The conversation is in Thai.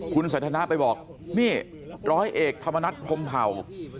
คุณสันทนาไปบอกนี่ร้อยเอกธรรมนัฐพรมเผ่า